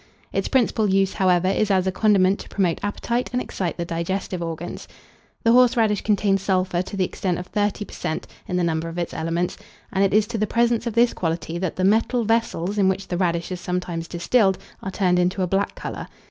Its principal use, however, is as a condiment to promote appetite and excite the digestive organs. The horseradish contains sulphur to the extent of thirty per cent, in the number of its elements; and it is to the presence of this quality that the metal vessels in which the radish is sometimes distilled, are turned into a black colour.